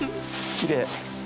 きれい。